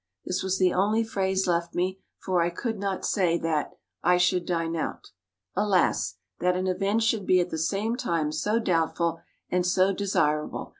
This was the only phrase left me, for I could not say that "I should dine out." Alas! that an event should be at the same time so doubtful and so desirable.